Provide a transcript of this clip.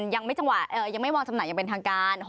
ยังไม่วางจำหน่ายังเป็นทางการ